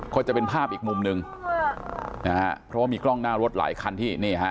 ก็จะเป็นภาพอีกมุมหนึ่งนะฮะเพราะว่ามีกล้องหน้ารถหลายคันที่นี่ฮะ